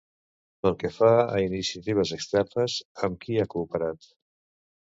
Pel que fa a iniciatives externes, amb qui ha cooperat?